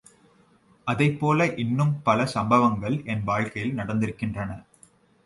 அதைப்போல இன்னும் பல சம்பவங்கள் என்வாழ்க்கையில் நடந்திருக்கின்றன.